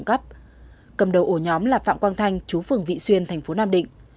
cầm đầu ổ nhóm là phạm quang thanh chú phường vị xuyên tp nam định